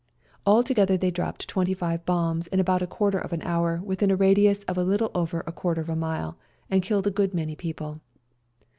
Altogether they dropped twenty five bombs in about a quarter of an hour within a radius of a little over a quarter of a mile and killed a good many people.